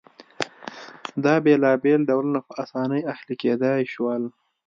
دا بېلابېل ډولونه په اسانۍ اهلي کېدای شول